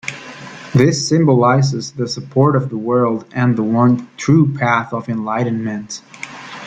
This symbolizes the support of the world and the one true path of enlightenment.